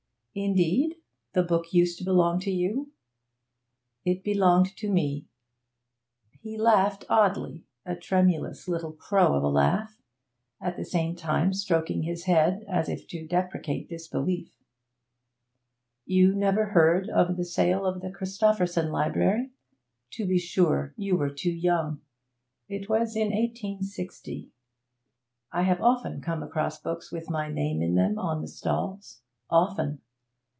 'Indeed? The book used to belong to you?' 'It belonged to me.' He laughed oddly, a tremulous little crow of a laugh, at the same time stroking his head, as if to deprecate disbelief. 'You never heard of the sale of the Christopherson library? To be sure, you were too young; it was in 1860. I have often come across books with my name in them on the stalls often.